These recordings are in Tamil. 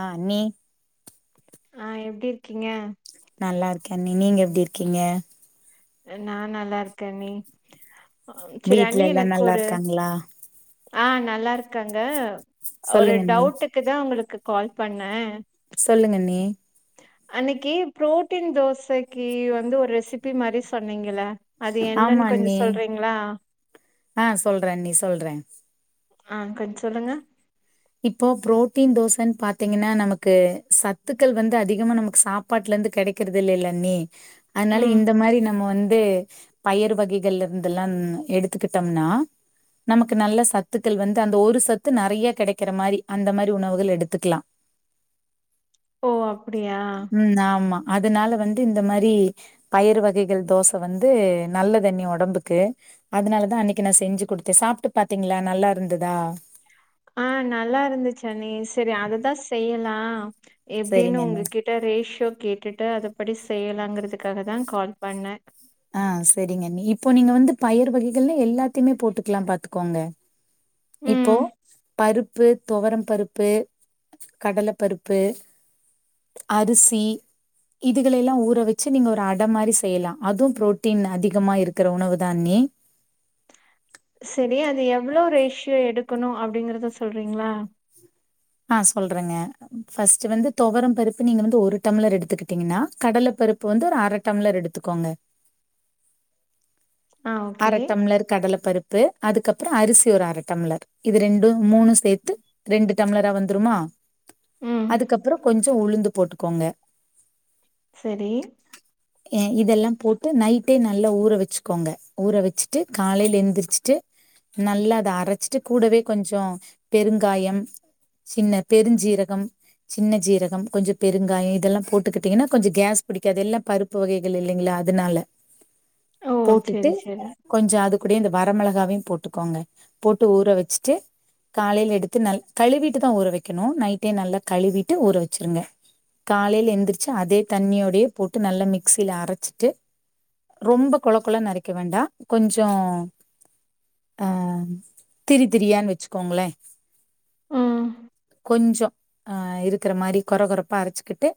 ஆ நீ ஆ எப்டி இருக்கீங்க நல்லா இருக்கேன் அண்ணி நீங்க எப்படி இருக்கீங்க நான் நல்லா இருக்கேன் நீ வீட்டு்ல எல்லாம் நல்லா இருக்காங்களா ஆஹ் நல்லா இருக்காங்க ஒரு சொல்லுங்க அண்ணி டவுட்டுக்கு தான் உங்களுக்கு கால் பண்ணேன் சொல்லுங்க அண்ணி அன்னைக்கு புரோட்டின் தோசைக்கு வந்து ஒரு ரெசிபி மாதிரி சொன்னீங்கள ஆமாஅண்ணி ஆஹ் சொல்றேஅண்ணி சொல்றே ஆஹ் கொஞ்சம் சொல்லுங்க இப்போ புரோட்டீன் தோசைன்னு பாத்தீங்கன்னா நமக்கு சத்துக்கள் வந்து அதிகமா நமக்கு சாப்பாட்டுல இருந்து கிடைக்கிறது இல்லால்ல அண்ணி அதனால ம் இந்த மாதிரி நம்ம வந்து பயர் வகைகள் இருந்துெல்லாம் எடுத்துக்கிட்டோம்னா நமக்கு நல்ல சத்துக்கள் வந்து அந்த ஒரு சத்து நிறைய கிடை கக்கிற மாதிரி அந்த மாதிரி உணவுகள் எடுத்துக்கலாம் ஓ அப்படியா அதனால வந்து இந்த மாதிரி பயர் வகைகள் தோசை வந்து நல்ல தண்ணி உடம்புக்கு அதனாலதான் அன்னைக்கு நான் செஞ்சு கொடுத்தேன் சாப்பிட்டு பாத்தீங்களா நல்லா இருந்ததா ஆஹ் நல்லா இருந்துச்சு அண்ணி சரி அததான் செய்யலாம் ஆஹ் எப்படின்னு செரிங்க அண்ணி உங்ககிட்ட ரேஷோ கேட்டுட்டு அத படி செய்யலாங்கிறதுக்காக தான் கால் பண்ணேன் ஆஹ் சரிங்கண்ணி இப்போ நீங்க வந்து பயர் வகைகள் எல்லாத்தையுமே போட்டுக்கலாம் பாத்துக்கோங்க இப்போ ம் பருப்பு பருப்பு துவரம் பருப்பு கடலைப்பருப்பு அரிசி இதுகள எல்லாம் ஊற வச்சு நீங்க ஒரு அடை மாதிரி செய்யலாம் அதுவும் பு்ரோட்டீன் அதிகமா இருக்கிற உணவு தான் அண்ணி சரி அது எவ்வளவு ரேஷியோ எடுக்கணும் அப்படிங்கறத சொல்றீங்களா ஆஹ் சொல்றேங்க பர்ஸ்ட் வந்து துவரம் பருப்பு நீங்க வந்து ஒரு டம்ளர் எடுத்துக்கிட்டீங்கன்னா கடலை பருப்பு வந்து ஒரு அரை டம்ளர் எடுத்துக்கோங்க ஆ ஓகே அரைடம்ளர் கடலைப்பருப்பு ப்பு அதுக்கப்புறம் அரிசி ஒரு அரை டம்ளர் இது ரெண்டும் மூணு சேர்த்து ரெண்டு டம்ளரா வந்துருமா ம் அதுக்கப்புறம் கொஞ்சம் ஞ்சம்உளுந்து போட்டுக்கோங்க சரி இதெல்லாம் போட்டு நைட்டே நல்லா ஊற வச்சுக்கோங்க ஊற வச்சுட்டு காலையில எழுந்திரிச்சுட்டு நல்லா அதை அரைச்சிட்டு கூடவே கொஞ்சம் பெருங்காயம் சின்ன பெருஞ்சீரகம் சின்ன ஜீரகம் கொஞ்சம் பெருங்காயம் இதெல்லாம் போட்டுக்கிட்டீங்கன்னா கொஞ்சம் கேஸ் பிடிக்கது எல்லாம் பருப்பு வகைகள் இல்லைங்களா அதனால ஓ போட்டுட்டு செரி செரி கொஞ்சம் அது கூடிய இந்த வரமிளகாவையும் போட்டுக்கோங்க போட்டு ஊற வச்சுட்டு காலையையில் எடுத்து ந கழுவிட்டுதான் ஊற வைக்கணும் நைட்டே நல்லா கழுவிட்டு ஊற வச்சிருங்க காலையையில் எழுந்திரிச்சு அதே தண்ணியோடே போட்டு நல்ல மிக்சியில அரைச்சிட்டு ரொம்ப குழ குழ நரைக்க வேண்டாம் கொஞ்சம் அஹ் திரி திரியான்னு வச்சுக்கோங்களே ம் கொஞ்சம் ஆஹ் இருக்கிற மாதிரி குறை குறைப்பா அரைச்சுக்கிட்டு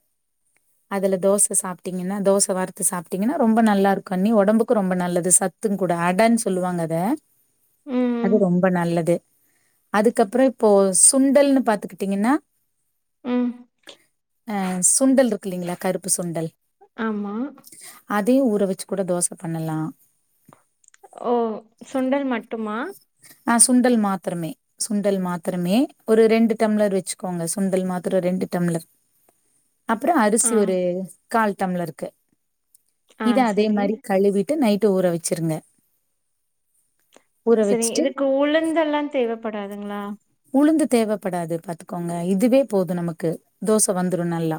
அதுல தோசை சாப்பிட்டீங்கன்னா தோசை வார்த்து சாப்பிட்டீங்கன்னா ரொம்ப நல்லா இருக்கும் அண்ணி உடம்புக்கு ரொம்ப நல்லது ச அத்து கூட அடான்னு சொல்லுவாங்கத ம் அது ரொம்ப நல்லது அதுக்கப்புறம் இப்போ சுண்டல்னு பாத்துக்கிட்டீங்கன்னா ம் அஹ சுண்டல் இருக்கு இல்லைங்களா கருப்பு சுண்டல் ஆமா அதே ஊற வச்சு கூட தோசை பண்ணலாம் ஓ சுண்டல் மட்டுமா அஹ சுண்டல் மாத்ரமே சுண்டல் மாத்ரமே ஒரு ரெண்டு டம்ளர் வச்சுக்கோங்க சுண்டல் மாத்ரம் ரெண்டு டம்ளர் அப்புறம் ஆ அரிசி ஒரு கால் டம்ளருக்கு ஆ இத அதே செரி மாரி கழுவிட்டு நைட் டு ஊற வச்சிருங்க ஊர வச் செரி இதுக்கு உளுந்தெல்லாம் தேவைப்படாதுங்களா கொங்க இதுவே போதும் நமக்கு தோச வந்துரும் நல்லா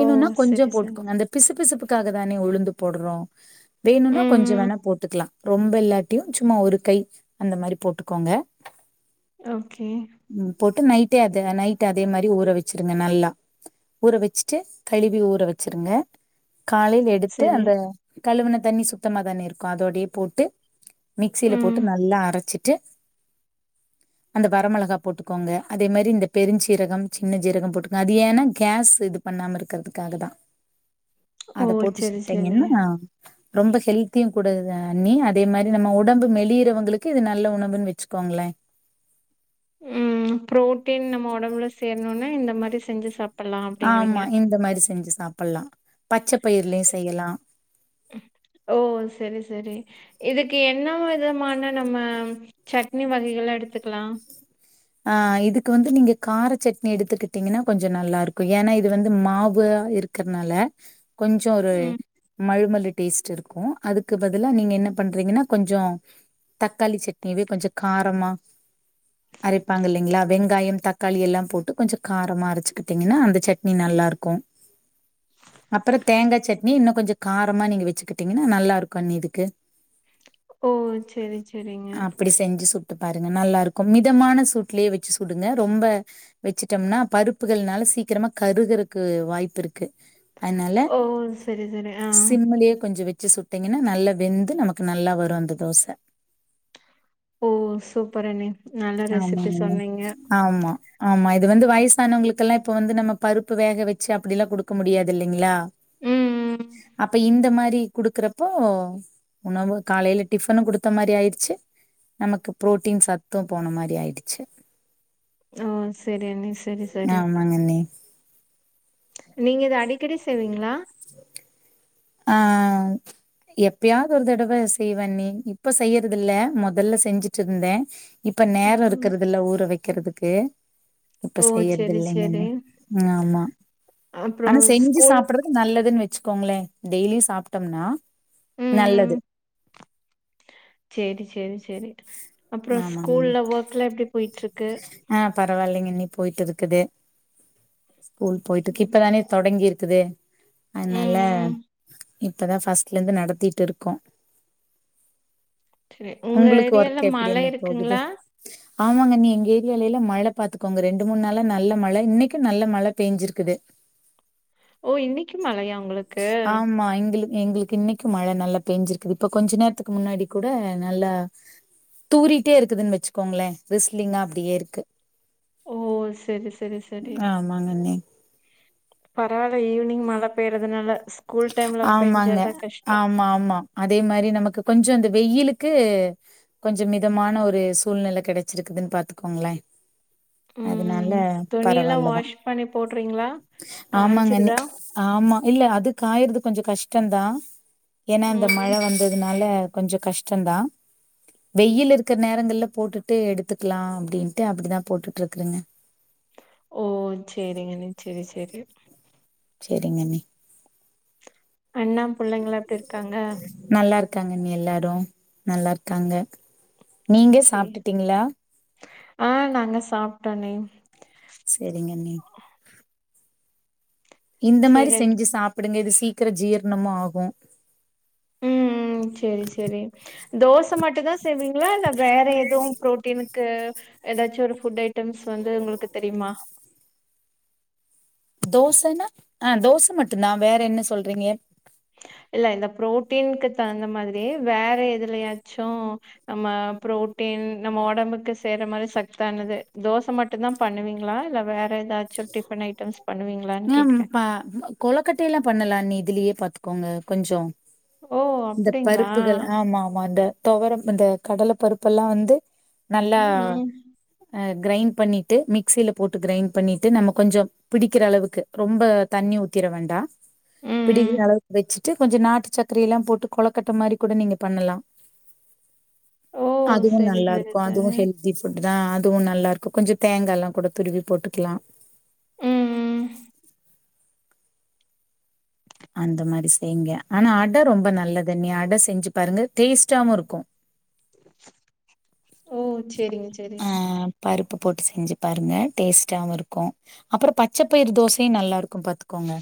ஓ செரி கொஞ்சம் செரி போட்டுக்கங்க அந்த பிசு பிசுப்புக்காக தா உழுந்து போடுறோம் வேணும்னா கொஞ்ச ம் வேணா போட்டுக்கலாம் ரொம்ப இல்லாட்டியும் சும்மா ஒரு கை அந்த மாரி போட்டுக்கோங்க ஓகே உம் போட்டு நைட் டே அத நைட் அதே மாரி ஊற வச்சிருங்க நல்லா ஊற வச்சுட்டு கழுவி ஊற வச்சிருங்க காலையில் எடுத்து செரி அந்த கழுவன தண்ணி சுத்தமா தானே இருக்கும் அதோடயே போட்டு மிக்சில ம் போட்டு நல்லா அரைச்சிட்டு அந்த வரமொளகா போட்டுக்கோங்க அதே மாரி இந்த பெருஞ்சீரகம் சின்ன சீரகம் போட்டுக்கோங்க அது ஏன்னா கேஸ் இது பண்ணாம இருக்கிறதுக்காக தான் ஓ அத போட்டு செரி செரி சுட்டீங்கன்னா ரொம்ப ஹெல்தியும் கூட இது அண்ணி அதே மாரி நம்ம உடம்பு மெளியறவங்களுக்கு இது நல்ல உணவுன்னு வச்சுக்கோங்களேன் உஹம் புரோட்டீன் நம்ம உடம்புல சேரணும்னா இந்த மாரி செஞ்சு சாப் ஆமா இந்த மாரி செஞ்சு சாப் ப்பல்லாம் பச்ச பயிர்லயும் செய்யலா ஓ! சரி, சரி. இதுக்கு என்ன விதமான நம்ம சட்னி வகைகள எடுத்துக்கலா ஆ இதுக்கு வந்து நீங்க கார சட்னி எடுத்துக்கிட்டீங்கன்னா கொஞ்ச நல்லா இருக்கு ஏன்னா இது வந்து மாவு இருக்கிறதுனால கொஞ்ச ஒரு ம். மழுமல்லு டேஸ்ட் வெச்சிருக்கோ அதுக்கு பதிலா நீங்க என்ன பண்றீங்கன்னா கொஞ்ச தக்காளி சட்னியவே கொஞ்ச காரமா அரைப்பாங்க இல்லைங்களா வெங்காயம் தக்காளி எல்லாம் போட்டு கொஞ்சம் காரமா அரைச்சுக்கிட்டீங்கன்னா அந்த சட்னி நல்லா இருக்கும் அப்புறம் தேங்கா சட்னி இன்னும் கொஞ்சம் காரமா நீங்க வச்சுக்கிட்டீங்கன்னா நல்லா இருக்கும் அண்ணி இதுக்கு ஓ சேரி சேரிங்க ட்டு பாருங்க நல்லா இருக்கு மித் மிதமான சூட்லயே வச்சு சுடுங்க ரொம்ப வச்சுட்டோம்னா பருப்புகள்னால சீக்கிரமா கருகறக்கு வாய்ப்பு இருக்கு அதனால ஓ! சரி, சரி. ஆ. சிம்முலே கொஞ்ச வச் வச்சு சுட்டீங்கன்னா நல்ல வெந்து நமக்கு நல்லா வரும் அந்த தோசை ஓ சூப்பர் அண்ணி நல்ல ரெசிபி ஆமாங் அண்ணி சொன்னீங்க. ஆமா ஆமா இது வந்து வயஸ் வங்களுககெல்லா இப்ப வந்து நம்ம பருப்பு வேக வச்சு அப்ப எல்லா கொடுக்க முடியாது இல்லங்களா ம், ம். அப்ப இந்த மாரி குடுக்கறப்போ உணவு காலயில டிஃபனு குடுத்த மாரி ஆயிச்சு நமக்கு புரோட்டீன் ச த்தும் போன மாரி ஆயிடுச்சு ஓ சேரி அண்ணி சேரி சேரி ஆமாங்கண்ணே நீங்க இத அடிகடி செய்வீங்களா ஆ எப்பயாவது ஒரு தடவ செய்வே அண்ணி இப்ப செய்யறதுல முதல்ல செஞ்சுட்டு இருந்தே இப்ப நேரோ ம். இருக்கறது இல்ல ஊற வைக்கிறதுக்கு இப்ப ஓ! செய்யறது சரி, சரி. இல்லங்கண்ணி ஆமா ஆனா அப்புறம் செஞ்சு ஸ்கூல் சாப்டுறது நல்லதுனனு வச் வச்சுக்கோங்களே டெய்லி சாப்ட்டோனா நல்லது சேரி சேரி சேரி அப்புறம் ஆமாங்க அண்ணி ஸ்கூல்ல ஒர்க் எல்லா எப்டி போயிட்டுருக்கு பரவாயிலங்கண்ணி போயிட்டு இருக்குது ஸ்கூல் போயிருக்கு ம். இப்ப தானே தொடங்கிருக் கிது அதனால ம், ம். இப்பதா ஃபஸ்ட்ல இருந்து நடத்திட்டுருக்கோ சேரி உங்க ஏரியால ஓர்க்க எப்படி மலை அண்ணி போகுது இருக்குங்களா? ஆமாங்க அண்ணி எங்க ஏரியாலயில மழ பாத்துக்கோங்க ரெண்டு மூணு நாளா நல்ல மழ இன்னைக்கு நல்ல மழ பேஞ்சிருக்குது ஓ இன்னைக்கு மலயா உங்களுக்கு ஆமா எங்களுக்கு எங்களுக்கு இன்னைக்கு மழ நல்லா பெஞ்சிருக்குது இப்ப கொஞ்ச நேரத்துக்கு முன்னாடி கூட நல்லா தூறிட்டே இருக்குதுன்னு வச்சுக்கோங்களே ரிஸ்லிங்கா அப்டியே இருக்கு ஓ செரிசெரிசெரி ஆமாங்க அண்ணே பரவாயிலல ஈவினிங் மழ பெயறதுனால ஆமாங்க ஆமா ஆமா அதே மாரி நமக்கு கொஞ்ச அந்த வெயிலுக்கு கொஞ்ச மிதமான ஒரு சூழ்நிலை கிடைச்சிருக்குதுன்னு பாத்துக்கோங்களே ம் அதனால துணியெல்லாம் பரவாயில்லதா வாஷ் பண்ணி போடுறீங்களா ஆமாங்கண்ணி காஞ்சிருதா ஆமா இல்ல அதுக்கு காயறது கொஞ்ச கஷ்டம்தா ஏன்னா இந்த மழ ம் வந்ததுனால கொஞ்ச கஷ்டதா வெயிலிருக்கிற நேரங்கள்ல போட்டுட்டு எடுத்துக்கலா அப்டின்ட்டு அப்படிதா போட்டுட்டுருக்குறங்க ஓ செரிங்கன செரி செரி செரிங்கண்ணி அண்ணா பிள்ளைங்க எப்படி இருக்காங்க நல்லா இருக்காங்க நீ எல்லாரும் நல்லா இருக்காங்க நீங்க சாப்பிட்டுட்டீங்களா ஆஹ் நாங்க சாப்பிட்டோனே சேரிங்கண்ணி இந்த மாதிரி சரி செஞ்சு சாப்பிடுங்க இது சீக்கிர ஜீர்ணமும் ஆகும் உம் உம் சேரி சேரி தோசை மட்டும் தான் செய்வீங்களா இல்ல வேற ஏதவும் புரோட்டீனுக்கு ஏதாச்சும் ஒரு ஃபுட் ஐட்டம்ஸ் வந்து உங்களுக்கு தெரியுமா தோசைன்னா ஆஹ் தோசை மட்டும் தான் வேற என்ன சொல்றீங்க இல்ல இந்த புரோட்டீனுகு தகுந்த மாதிரி வேற எதுலயாச்சும் நம்ம புரோட்டீன் நம்ம உடம்புக்கு சேற மாதிரி சத்தானது தோசை மட்டும்தான் பண்ணுவீங்களா இல்ல வேற ஏதாச்சும் டிஃபன் ஐட்டம்ஸ் பண்ணுவீங்களான்னு ஆஹம் கேக்குறே ப கொலக்கட்டைய எல்லாம் பண்ணலாம் நீதி இதுலயே பார்த்துக்கோங்க கொஞ்சம் ஓ இந்த அப்டிங்களா பருப்புகள் ஆமா ஆமா இந்த துவரம் இந்த கடலை பருப்பெல்லாம் வந்து நல்லா ம் ம் கிரைண்ட் பண்ணிட்டு மிக்ஸ்சில போட்டு கிரைண்ட் பண்ணிட்டு நம்ம கொஞ்சம் பிடிக்கிற அளவுக்கு ரொம்ப தண்ணி ஊத்திர வேண்டாம் ம் ம் பிடிக்கிற அளவுக்கு வச்சு கொஞ்சம் நாட்டு சக்கரைய எல்லாம் போட்டு கொலக்கட்ட மாதிரி கூட நீங்க பண்ணலாம் ஓ அதுவும் செரி நல்லா செரி இருக்கும் செரி அதுவும் ஹெல்தி ஃபுட் தா அதுவு நல்லா இருக்கு கொஞ்சோ தேங்காய்ல்லா கூட துருவி போட்டுக்கலா ம் ம் அந்த மாரி செய்யங்க ஆனா அடை ரொம்ப நல்லத நீ அட செஞ்சி பாருங்க டேஸ்ட்டாவு இருக்கு [inaudible] ஓ சேரிங்க சேரி ஆ பருப்பு போட்டு செஞ்சி பாருங்க டேஸ்டாவு இருக்கு அப்புறோ பச்சைப்பயிர் தோசையு நல்லா இருக்கு பாத்துக்கோங்க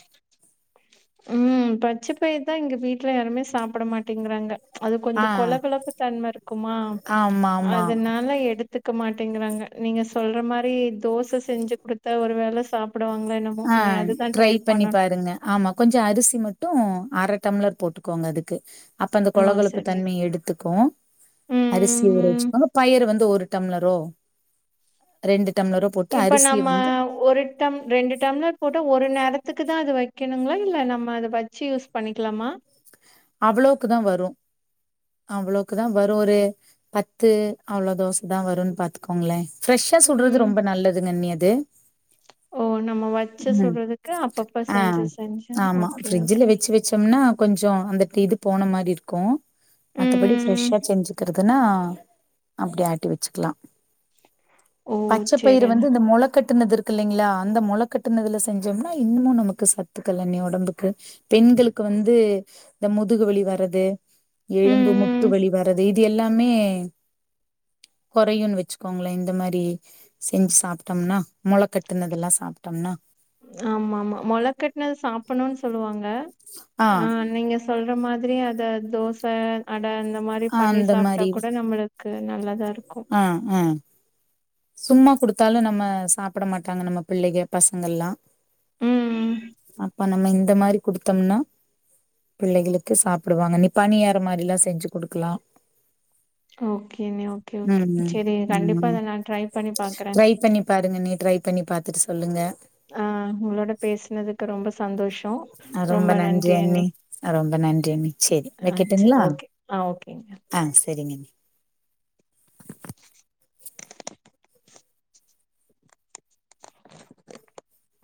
ம் பச்சை பயிர்தா இங்க வீட்டுல யாருமே சாப்பிட மாட்டேங்கிறாங்க அது ஆ கொஞ்சோ கொலகொலப்புதன்ம இருக்குமா ஆமா ஆமா அதனால எடுத் கத்துக்க மாட்டேங்கறாங்க நீங்க சொல்ற மாரி தோச செஞ்சி குடுத்த ஒரு வேல சாப் ஆ ட்ரை பண்ணி பாருங்க ஆமா கொஞ்சோ அரிசி டி மட்டு அர டம்ளர் போட்டுக்கோங்க அதுக்கு அப்ப அந்த ஆ கொலகொலப்பு சரி தன்மையைஎடுத்துக்கு அரிசி ஊற ம் வச்சுக்கோங்க பயர வந்து ஒரு டம்லரோ இப்ப நம்ம வந்து ஒரு ட்டம் ரெண் டம்லர் போட்ட ஒரு நேரத்துக்கு தா அது வைக்கணுங்களா இல்ல நம்ம அத வச்சி யூஸ் பண்ணிக்கலாமா அவ்ளோவுக்குதா வரு அவ்ளோவுக்குதா வரு ஒரு பத்து அவ்ளோ தோசதா வருன்னு பாத்துக்கோங்களே ஃப்ரெஷ்ஷா சுடறது ம் ரொம்ப நல்லது கண்ணிது ஓ நம்ம வச்சு ம் சுட்றதுக்கு அப்பப்ப ஆ செஞ்சு செஞ்சு ஆமா ஓகே ஃபரிட்ஜல ஓகே வச்சி வச்சோம்னா கொஞ்சோ அந்த கிது போன மாரி இருக்கு மத்தபடி ம் ஃரெஷ்ஷா செஞ்சுக்கிறதுன்னா அப்பிடி ஆட்டி வச்சிக்கலா ஓ பச்ச பயரு சேரிண்ண வந்து இந்த முல கட்டுனதுற்க் க்ல்லைங்களா அந்த முல கட்டுனதுல செஞ்சோம்னா இன்னமு நமக்கு சத்து கல்யாண்ணிய ஒடம்புக்கு பெண்களுக்கு வந்து இந்த முதுகுவலி வரது எழும்பு ம் முட்டு ம் வலி வரது இது எல்லாமே குறையுன்னு வச்சுக்கோங்களே இந்த மாரி செஞ்சி சாப்ட்டம்ன்னா மொல கட்டுனதெல்லா சாப்டம்ன்னா ஆமா ஆமா மொலக்கட்டுனது சாப்புணுன்னு சொல்லுவாங்க ஆ நீங்க சொல்ற மாரி அதரி அத தோச அ ட அந்தந்த மாரி ஆ பண்ணி அந்த சாப்ட்டா மாரி கூட நம்மள க்கு நல்லதார் ஆ ஆ சும்மா குடுத்தாலு நம்ம சாப்ட மாட்டாங்க நம்ம பிள்ளைக பசங்கல்லா ம் அப்ப நம்ம இந்த மாரி குடுத்தோம்னா பிள்ளைகளுக்கு சாப்டுவாங்க நீ பணியாற மாரில்லா செஞ்சு குடுக்கலா ஓகே ஒகே உம் உம் பண்ணி பாக்குறே ட்ரை பண்ணி பாருங்க நீ ட்ரை பண்ணி பாத்துட்டு சொல்லுங்க ஆ உங்களோட பேசுனதுக்கு ரொம்ப சந்தோஷோ அ ரொம்ப நன்றி அண்ணி அ ரொம்ப நன்றி அண்ணி சேரி அ சரி வைக்கட்டுங்களா ஒகே அ ஓகேங்க ஆ சேரிங்க அண்ணி [inaudible] [inaudible]